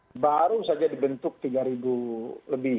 yang baru saja dibentuk rp tiga lebih